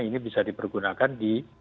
ini bisa dipergunakan di